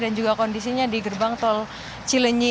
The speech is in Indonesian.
dan juga kondisinya di gerbang tol cilenyi